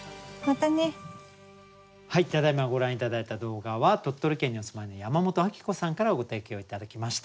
ただいまご覧頂いた動画は鳥取県にお住まいの山本暁子さんからご提供頂きました。